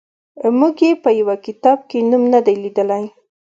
موږ یې په یوه کتاب کې نوم نه دی لیدلی.